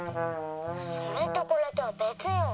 それとこれとはべつよ。